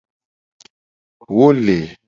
Wo le.